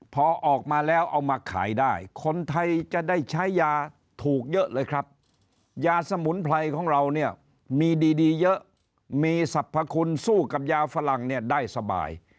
พอออกมาแล้วเอามาขายได้คนไทยจะได้ใช้ยาถูกเยอะเลยครับยาสมุนไพรของเราเนี่ยมีดีเยอะมีสรรพคุณสู้กับยาฝรั่งเนี่ยได้สบาย